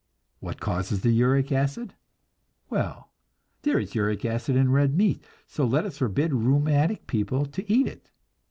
What causes the uric acid? Well, there is uric acid in red meat, so let us forbid rheumatic people to eat it!